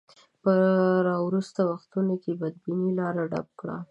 په راوروسته وختونو کې بدبینۍ لاره ډب کړه.